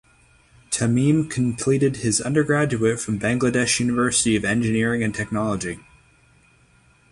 Tamim completed his undergraduate from Bangladesh University of Engineering and Technology.